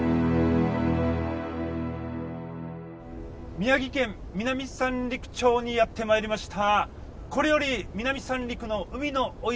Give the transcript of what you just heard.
宮城県南三陸町にやって参りました。